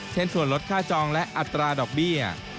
เช่นส่วนลดค่าจองและอัตราดอกเบี้ย